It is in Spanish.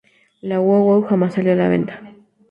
La WoWoW jamás salió a la venta.